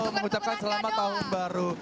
mengucapkan selamat tahun baru